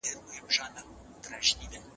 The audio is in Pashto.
زړګى مي غواړي